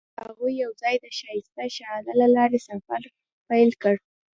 هغوی یوځای د ښایسته شعله له لارې سفر پیل کړ.